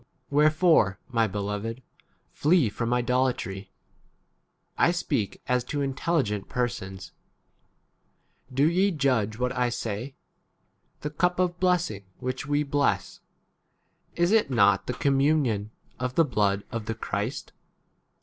] 14 Wherefore, my beloved, flee from 15 *idolatry. I speak as to intelligent [persons] : do ye judge what I say. 16 The cup of blessing which we bless, is it not [the] communion of the blood of the Christ